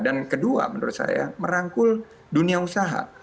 dan kedua menurut saya merangkul dunia usaha